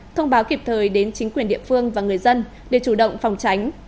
thông báo kịp thời đến chính quyền địa phương và người dân để chủ động phòng tránh